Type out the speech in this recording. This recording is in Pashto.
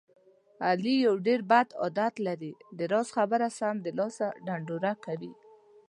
علي یو ډېر بد عادت لري. د راز خبره سمدلاسه ډنډوره کوي.